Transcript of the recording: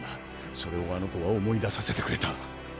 それをあのこはおもいださせてくれた。